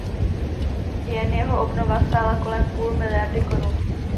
Jen jeho obnova stála kolem půl miliardy korun.